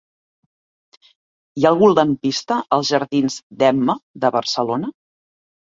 Hi ha algun lampista als jardins d'Emma de Barcelona?